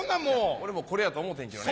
俺もこれやと思うてんけどね。